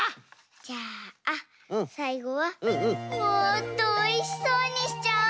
じゃあさいごはもっとおいしそうにしちゃおう！